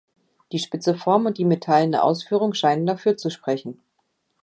Die spitze Form und die metallene Ausführung scheinen dafür zu sprechen.